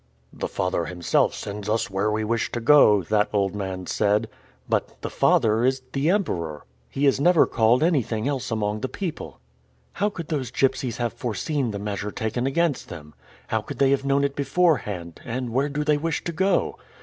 'The Father himself sends us where we wish to go,' that old man said. But 'the Father' is the emperor! He is never called anything else among the people. How could those gipsies have foreseen the measure taken against them? how could they have known it beforehand, and where do they wish to go?